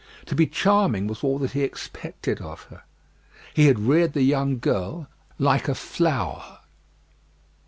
To be charming was all that he expected of her. He had reared the young girl like a flower.